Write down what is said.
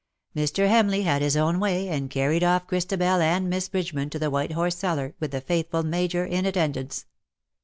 Mr. Hamleigh had his own way, and carried off IN SOCIETY. 155 Ohristabel and Miss Bridgeman to tlie White Horse Cellar, with the faithful Major in attendance.